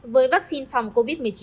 với vaccine phòng covid một mươi chín